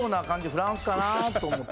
フランスかなと思って。